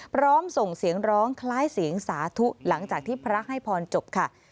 พร้อมส่งเสียงร้องคล้ายเสียงสาธุหลังจากที่พระให้พรจบค่ะ